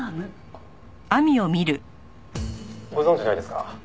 「ご存じないですか？」